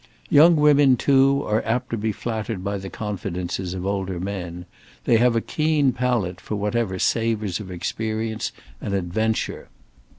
Young women, too, are apt to be flattered by the confidences of older men; they have a keen palate for whatever savours of experience and adventure.